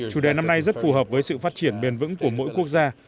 chủ đề năm nay rất phù hợp với sự phát triển bền vững của mỗi quốc gia